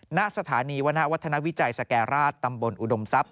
ณสถานีวณวัฒนวิจัยสแก่ราชตำบลอุดมทรัพย